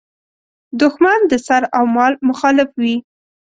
دوښمن د سر او مال مخالف وي.